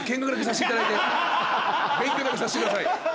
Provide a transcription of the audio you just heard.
勉強だけさせてください。